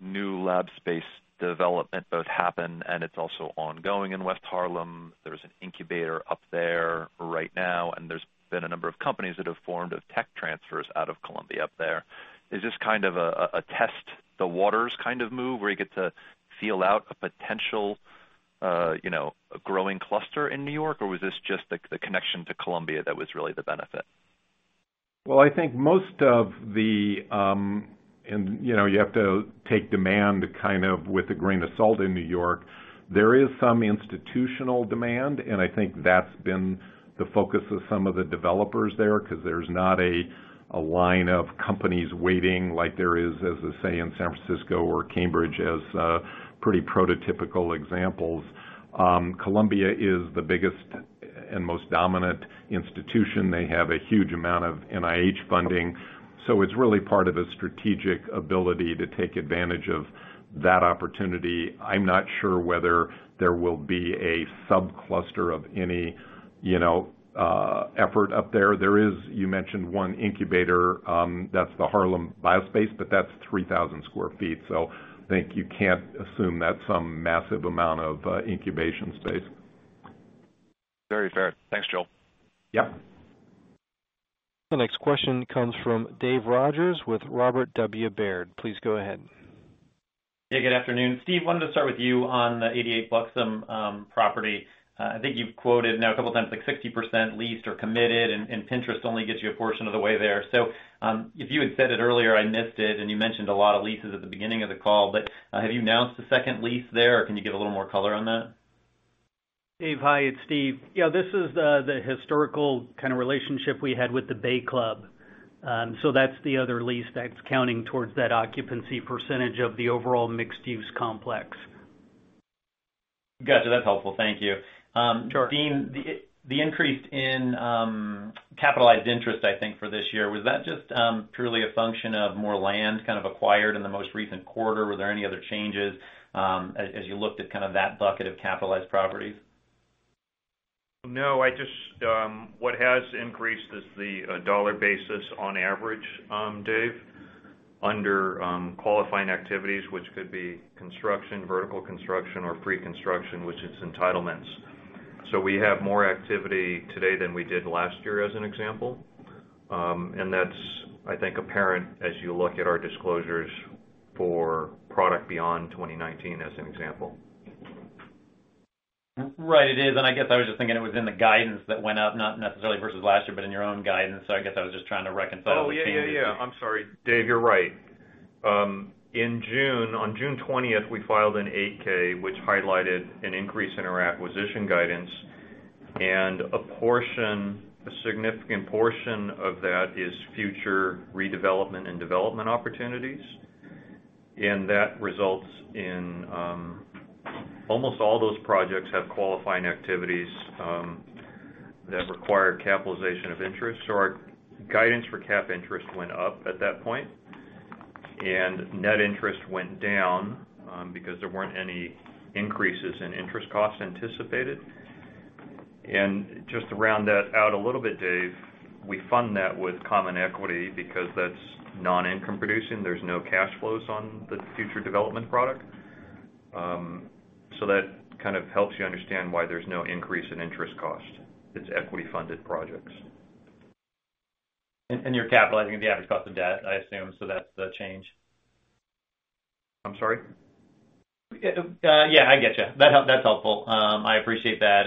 new lab space development both happen and it's also ongoing in West Harlem. There's an incubator up there right now, and there's been a number of companies that have formed of tech transfers out of Columbia up there. Is this kind of a test the waters kind of move where you get to feel out a potential growing cluster in New York? Was this just the connection to Columbia that was really the benefit? Well, you have to take demand kind of with a grain of salt in New York. There is some institutional demand, and I think that's been the focus of some of the developers there, because there's not a line of companies waiting like there is, as I say, in San Francisco or Cambridge as pretty prototypical examples. Columbia is the biggest and most dominant institution. They have a huge amount of NIH funding, so it's really part of a strategic ability to take advantage of that opportunity. I'm not sure whether there will be a sub-cluster of any effort up there. There is, you mentioned one incubator, that's the Harlem Biospace, but that's 3,000 sq ft. I think you can't assume that's some massive amount of incubation space. Very fair. Thanks, Joel. The next question comes from Dave Rodgers with Robert W. Baird. Please go ahead. Yeah, good afternoon. Steve, I wanted to start with you on the 88 Bluxome property. I think you've quoted now a couple times, 60% leased or committed. Pinterest only gets you a portion of the way there. If you had said it earlier, I missed it. You mentioned a lot of leases at the beginning of the call. Have you announced a second lease there, or can you give a little more color on that? Dave, hi, it's Steve. Yeah, this is the historical kind of relationship we had with the Bay Club. That's the other lease that's counting towards that occupancy percentage of the overall mixed-use complex. Gotcha. That's helpful. Thank you. Sure. Dean, the increase in capitalized interest, I think, for this year, was that just purely a function of more land kind of acquired in the most recent quarter? Were there any other changes as you looked at that bucket of capitalized properties? No. What has increased is the dollar basis on average, Dave, under qualifying activities, which could be construction, vertical construction or pre-construction, which is entitlements. We have more activity today than we did last year, as an example. That's, I think, apparent as you look at our disclosures for product beyond 2019, as an example. Right, it is. I guess I was just thinking it was in the guidance that went up, not necessarily versus last year, but in your own guidance. I guess I was just trying to reconcile the changes. Oh, yeah. I'm sorry. Dave, you're right. On June 20th, we filed an 8-K, which highlighted an increase in our acquisition guidance and a significant portion of that is future redevelopment and development opportunities. That results in almost all those projects have qualifying activities that require capitalization of interest. Our guidance for cap interest went up at that point, and net interest went down because there weren't any increases in interest costs anticipated. Just to round that out a little bit, Dave, we fund that with common equity because that's non-income producing. There's no cash flows on the future development product. That kind of helps you understand why there's no increase in interest cost. It's equity-funded projects. You're capitalizing the average cost of debt, I assume, so that's the change. I'm sorry? Yeah, I get you. That's helpful. I appreciate that.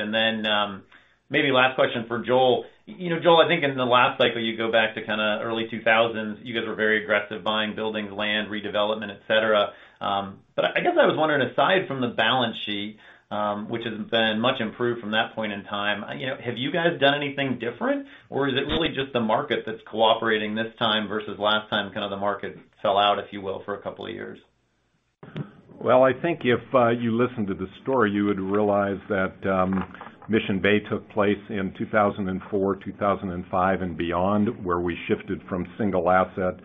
Maybe last question for Joel. Joel, I think in the last cycle, you go back to kind of early 2000s, you guys were very aggressive buying buildings, land, redevelopment, et cetera. I guess I was wondering, aside from the balance sheet, which has been much improved from that point in time, have you guys done anything different, or is it really just the market that's cooperating this time versus last time, kind of the market fell out, if you will, for a couple of years? Well, I think if you listen to the story, you would realize that Mission Bay took place in 2004, 2005, and beyond, where we shifted from single asset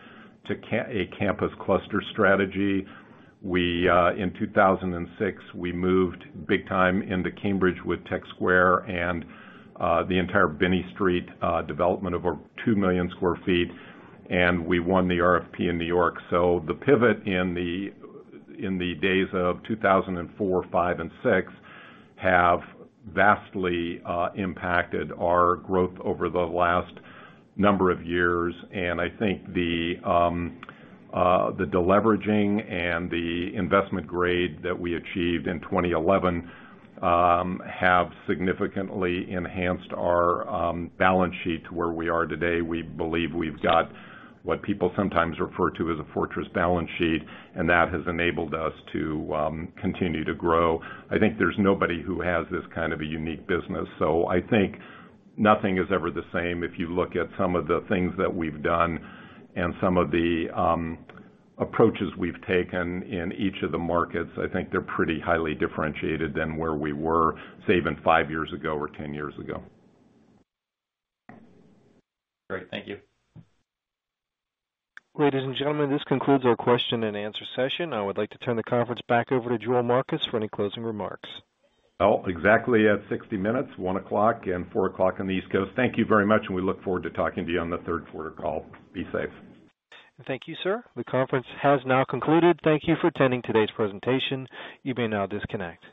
to a campus cluster strategy. In 2006, we moved big time into Cambridge with Tech Square and the entire Binney Street development of over 2 million square feet, and we won the RFP in New York. The pivot in the days of 2004, 2005, and 2006 have vastly impacted our growth over the last number of years. I think the deleveraging and the investment grade that we achieved in 2011 have significantly enhanced our balance sheet to where we are today. We believe we've got what people sometimes refer to as a fortress balance sheet, and that has enabled us to continue to grow. I think there's nobody who has this kind of a unique business. I think nothing is ever the same. If you look at some of the things that we've done and some of the approaches we've taken in each of the markets, I think they're pretty highly differentiated than where we were, say, even five years ago or 10 years ago. Great. Thank you. Ladies and gentlemen, this concludes our question and answer session. I would like to turn the conference back over to Joel Marcus for any closing remarks. Exactly at 60 minutes, 1:00 P.M., and 4:00 P.M. on the East Coast. Thank you very much, and we look forward to talking to you on the third quarter call. Be safe. Thank you, sir. The conference has now concluded. Thank you for attending today's presentation. You may now disconnect.